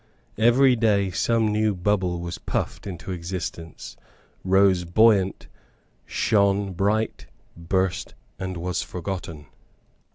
Every day some new bubble was puffed into existence, rose buoyant, shone bright, burst, and was forgotten.